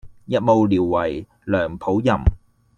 日暮聊為梁甫吟。